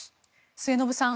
末延さん